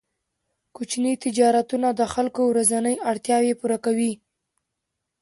کوچني تجارتونه د خلکو ورځنۍ اړتیاوې پوره کوي.